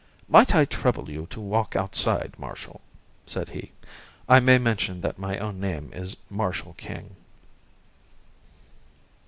"Might I trouble you to walk outside, Marshall?" said he. (I may mention that my own name is Marshall King.)